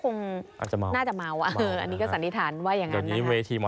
สร้างโมงขึ้นมาไม่อยากให้ธรรมกริยามายรยาศแบบนี้กว่าศิลปิน